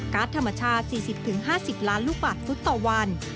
ธรรมชาติ๔๐๕๐ล้านลูกบาทฟุตต่อวัน